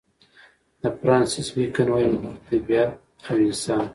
د فرانسیس بېکن وايي: هنر طبیعت او انسان.